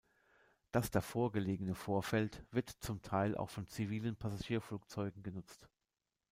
Das davor gelegene Vorfeld wird zum Teil auch von zivilen Passagierflugzeugen genutzt.